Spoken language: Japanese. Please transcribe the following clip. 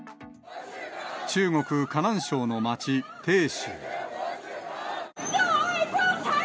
中国・河南省の街、鄭州。